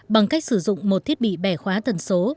bằng cách sử dụng một thiết bị bẻ khóa tần số